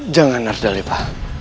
jangan ada lepa